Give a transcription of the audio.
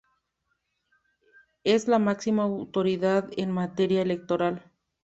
Es la máxima autoridad en materia electoral.